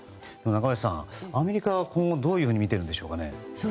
中林さん、アメリカは今後をどういうふうにみているんでしょうか？